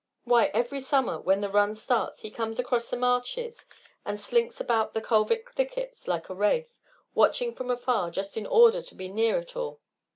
Why, every summer when the run starts he comes across the marshes and slinks about the Kalvik thickets like a wraith, watching from afar just in order to be near it all.